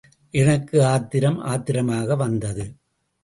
எனக்கு ஆத்திரம் ஆத்திரமாக வந்தது.